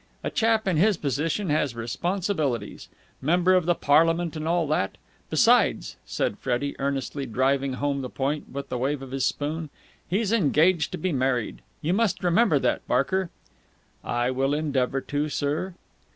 A chap in his position has responsibilities. Member of Parliament and all that. Besides," said Freddie earnestly, driving home the point with a wave of his spoon, "he's engaged to be married. You must remember that, Barker!" "I will endeavour to, sir."